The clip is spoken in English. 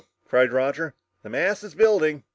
cried Roger. "The mass is building!"